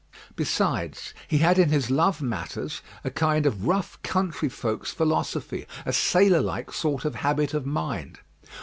Besides, he had in his love matters a kind of rough country folks' philosophy, a sailor like sort of habit of mind.